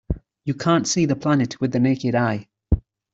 You can't see the planet with the naked eye.